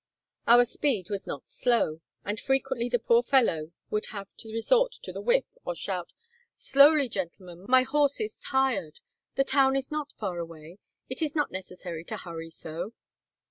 Our speed was not slow, and frequently the poor fellow would have to resort to the whip, or shout, "Slowly, gentlemen, my horse is tired; the town is not far away, it is not necessary to hurry so."